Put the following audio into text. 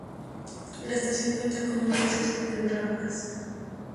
La estación cuenta con un acceso con rampas.